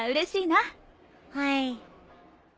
はい。